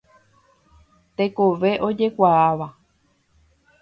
Tekove ojekuaáva.